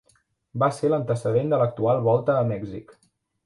Va ser l'antecedent de l'actual Volta a Mèxic.